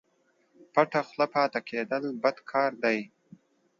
پټه خوله پاته کېدل بد کار دئ